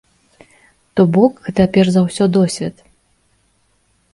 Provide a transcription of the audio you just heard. То бок, гэта перш за ўсё досвед.